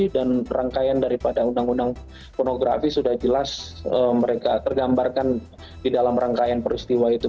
dan rangkaian daripada undang undang pornografi sudah jelas mereka tergambarkan di dalam rangkaian peristiwa itu